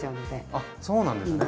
あっそうなんですね。